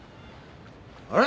あれ？